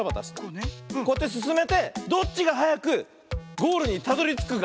こうやってすすめてどっちがはやくゴールにたどりつくか。